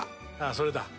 それだ。